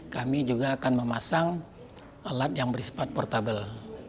kami juga akan memasang alat yang bersifat portable